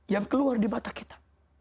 yang keluar di mata kita